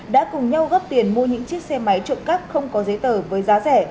đã cùng nhau gấp tiền mua những chiếc xe máy trộm cắp không có giấy tờ với giá rẻ